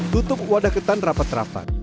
tutup wadah ketan rapat rapat